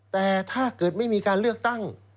แต่ถ้าเกิดไม่มีการเลือกตั้ง